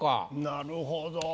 なるほど！